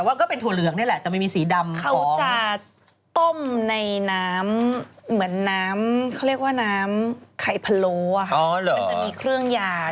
มันจะมีเครื่องยาที่เขาต้มแล้วมันก็เลยดำแบบนั้น